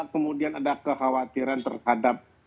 kemudian ada kekhawatiran terhadap